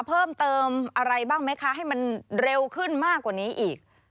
เพิ่มเติมอะไรบ้างไหมคะให้มันเร็วขึ้นมากกว่านี้อีก